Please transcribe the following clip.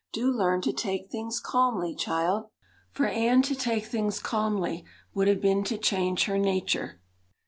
Do learn to take things calmly, child." For Anne to take things calmly would have been to change her nature.